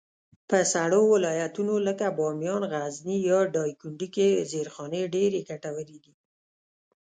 په سړو ولایتونو لکه بامیان، غزني، یا دایکنډي کي زېرخانې ډېرې ګټورې دي.